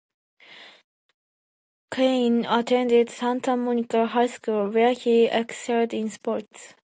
Cain attended Santa Monica High School, where he excelled in sports.